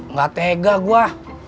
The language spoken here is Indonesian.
nggak tega gue